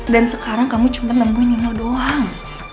dan sekarang kamu cuma nembunyi nino doang